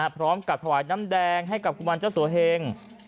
พร้อมกับถวายน้ำแดงให้กับกุมารเจ้าสัวเฮง